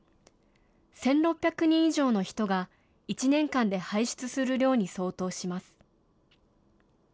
１６００人以上の人が１年間で排出する量に相当します。